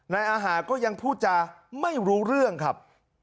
นายอาหารก็ยังพูดจาไม่รู้เรื่องครับ